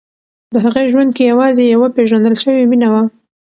د هغې ژوند کې یوازې یوه پېژندل شوې مینه وه.